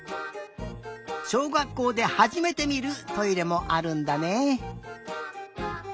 しょうがっこうではじめてみるトイレもあるんだね。